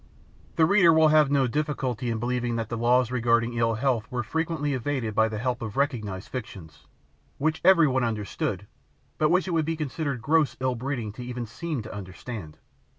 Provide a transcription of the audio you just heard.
The reader will have no difficulty in believing that the laws regarding ill health were frequently evaded by the help of recognised fictions, which every one understood, but which it would be considered gross ill breeding to even seem to understand.